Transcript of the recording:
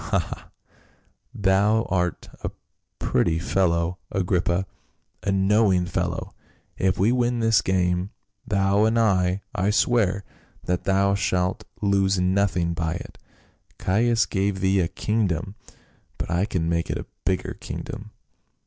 " Ha ! ha ! thou'rt a pretty fellow, Agrippa — a knowing fellow ; if we win this game, thou and I, I swear that thou shalt lose nothing by it. Caius gave thee a kingdom, but I can make it a bigger kingdom."